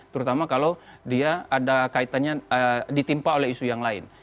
terutama kalau dia ada kaitannya ditimpa oleh isu yang lain